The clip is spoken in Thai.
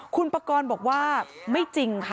คุณปากรบอกว่าไม่จริงค่ะ